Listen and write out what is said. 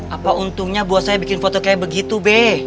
apa untungnya buat saya bikin foto kayak begitu be